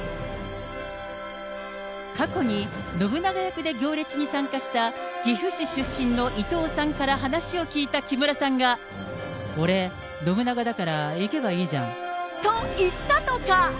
過去に、信長役で行列に参加した、岐阜市出身の伊藤さんから話を聞いた木村さんが、俺、信長だから行けばいいじゃんと言ったとか。